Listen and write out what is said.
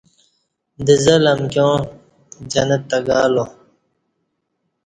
دزلہ امکیاں جنت تہ گالا